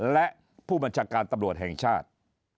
และผู้บัญชาการตำรวจแห่งชาติ